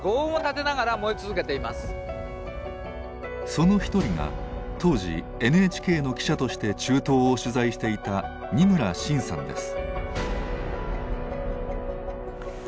その一人が当時ＮＨＫの記者として中東を取材していた二村伸さんです。